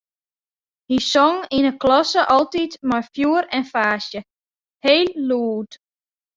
Hy song yn 'e klasse altyd mei fjoer en faasje, heel lûd.